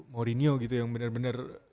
mourinho gitu yang benar benar